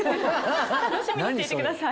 楽しみにしててください。